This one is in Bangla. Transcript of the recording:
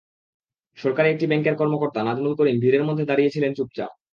সরকারি একটি ব্যাংকের কর্মকর্তা নাজমুল করিম ভিড়ের মধ্যে দাঁড়িয়ে ছিলেন চুপচাপ।